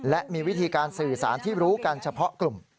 และมีวิธีการสื่อสารที่รู้กันเฉพาะกลุ่ม